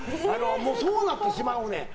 そうなってしまうねん。